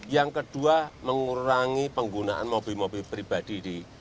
yang kedua mengurangi penggunaan mobil mobil pribadi di